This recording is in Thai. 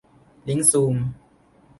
ลิงก์ซูม